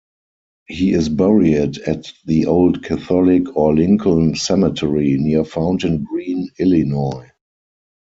He is buried at the Old Catholic or Lincoln Cemetery near Fountain Green, Illinois.